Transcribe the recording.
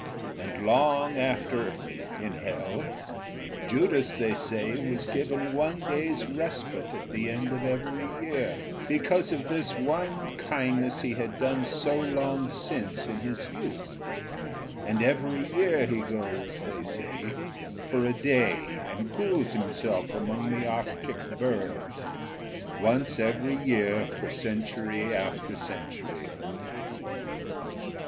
And long after, in Hell, Judas they say was given one day's respite at the end of every year because of this one kindness he had done so long since in his youth. And every year he goes, they say, for a day and cools himself among the Arctic bergs; once every year for century after century.